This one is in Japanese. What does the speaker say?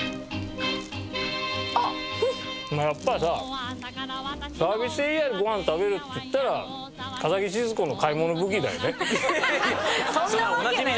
やっぱりさサービスエリアでご飯食べるっていったら笠置シヅ子の『買物ブギー』だよね。